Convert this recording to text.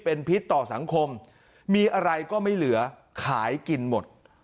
เป็นพิษต่อสังคมมีอะไรก็ไม่เหลือขายกินหมด